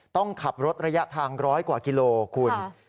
ต้องขับรถระยะทาง๑๐๐กว่ากิโลกิโล